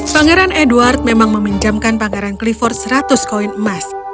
pangeran edward memang meminjamkan pangeran clifford seratus koin emas